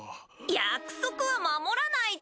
約束は守らないと。